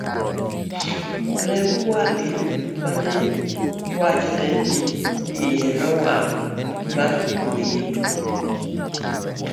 remb kwargi mane wachore ni iye newang'ga ma omiye tuwo